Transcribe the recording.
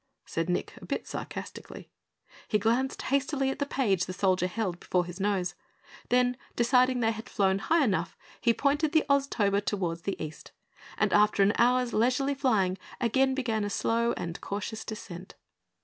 said Nick, a bit sarcastically. He glanced hastily at the page the soldier held before his nose. Then, deciding they had flown high enough, he pointed the Oztober toward the east and after an hour's leisurely flying, again began a slow and cautious descent.